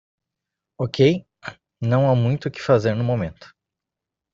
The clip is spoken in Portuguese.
Ok,? não há muito o que fazer no momento.